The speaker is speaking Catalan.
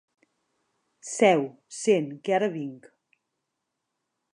Seu, sent, que ara vinc.